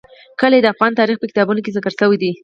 کلي د افغان تاریخ په کتابونو کې ذکر شوی دي.